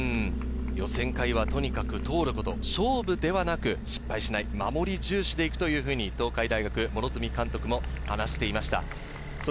予選会はとにかく通ること、勝負ではなく失敗しない、守り重視で行くというふうに東海大学・両角監督も話していました。